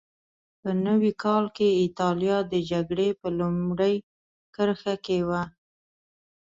په نوي کال کې اېټالیا د جګړې په لومړۍ کرښه کې وه.